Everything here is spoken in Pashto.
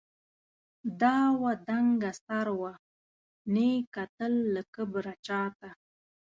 دا وه دنګه سروه، نې کتل له کبره چاته